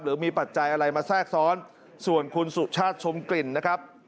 หรือมีปัจจัยอะไรมาแทรกซ้อนส่วนคุณสุชาติชมกลิ่นนะครับ